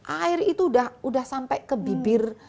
air itu sudah sampai ke bibir